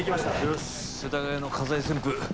よし世田谷の火災旋風。